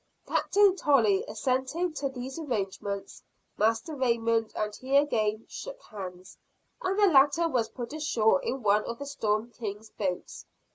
Captain Tolley assenting to these arrangements, Master Raymond and he again shook hands, and the latter was put ashore in one of the Storm King's boats.